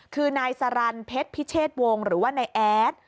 คือนายสรรเพชรพิเชษวงศ์หรือว่านายแอด